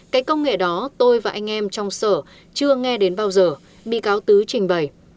cái công nghệ đó tôi và anh em trong sở chưa nghe đến bao giờ bị cáo tứ trình bày